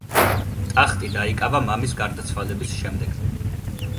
ტახტი დაიკავა მამის გარდაცვალების შემდეგ.